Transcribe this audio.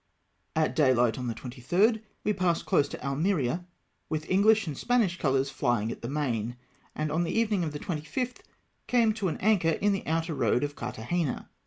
At dayhght on the 23rd we passed close to Almeria, with Enghsh and Spanish colours flying at the main, and on the evening of the 25th came to an anchor in the outer road of Carthagena.